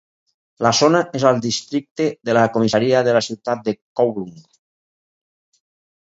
La zona és al districte de la comissaria de la ciutat de Kowloon.